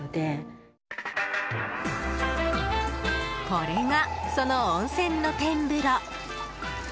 これが、その温泉露天風呂。